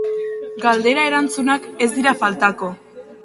Galdera erantzunak ez dira faltako.